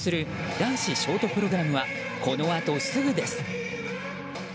男子ショートプログラムはこのあとすぐです。